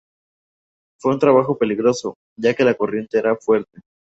Fue un trabajo peligroso, ya que la corriente era fuerte.